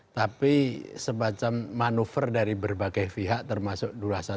tapi semacam manuver dari berbagai pihak termasuk dua ratus dua belas